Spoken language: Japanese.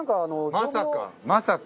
まさかまさか。